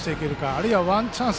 あるいはワンチャンス。